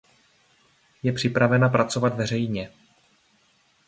Je připravena pracovat veřejně.